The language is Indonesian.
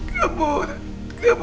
kamu indah ya bud